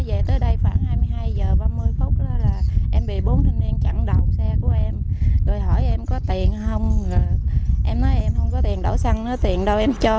em không có tiền đổ xăng nữa tiền đâu em cho